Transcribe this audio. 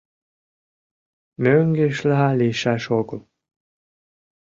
Мӧҥгешла лийшаш огыл.